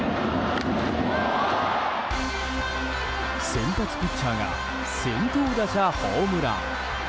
先発ピッチャーが先頭打者ホームラン。